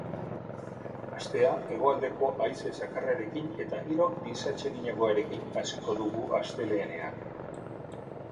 Astea hegoaldeko haize zakarrarekin eta giro desatseginagoarekin hasiko dugu astelehenean.